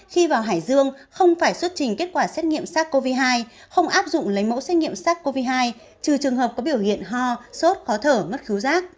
khi vào hải dương không phải xuất trình kết quả xét nghiệm sars cov hai không áp dụng lấy mẫu xét nghiệm sars cov hai trừ trường hợp có biểu hiện ho sốt khó thở mất